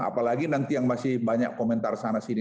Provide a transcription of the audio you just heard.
apalagi nanti yang masih banyak komentar sana sini